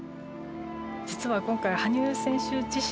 実は今回羽生選手自身ですね